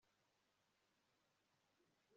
Ibindi bihe bike nyamuneka